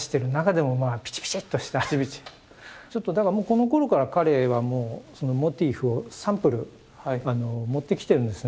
このころから彼はもうモティーフをサンプル持ってきてるんですね。